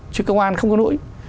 chứ công an không có nỗi